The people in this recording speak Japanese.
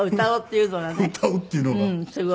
歌おうっていうのがね。